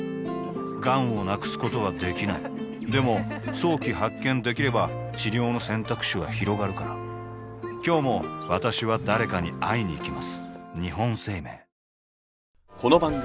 がんを無くすことはできないでも早期発見できれば治療の選択肢はひろがるから今日も私は誰かに会いにいきます